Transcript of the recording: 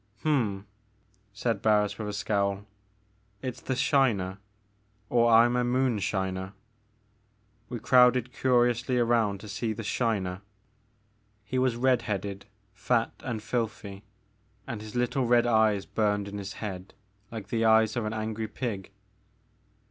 '*Hml" said Barris with a scowl, it's the 'Shiner,' or I'm a moonshiner.*' We crowded curiously around to see the "Shiner." He was red headed, fat and filthy, 6i 6 2 Tlie Maker of Moons. and his little red eyes burned in his head like the eyes of an ang^ pig.